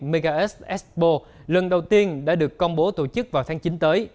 mega earth expo lần đầu tiên đã được công bố tổ chức vào tháng chín tới